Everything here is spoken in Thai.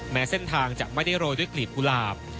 แม้เส้นทางจะไม่ได้โรยด้วยกลีบกุหลาบ